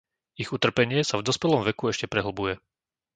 Ich utrpenie sa v dospelom veku ešte prehlbuje.